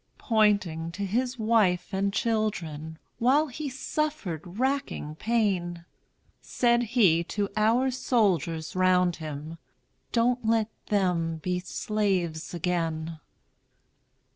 Pointing to his wife and children, While he suffered racking pain, Said he to our soldiers round him, "Don't let them be slaves again!"